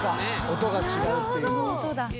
音が違うっていうのは。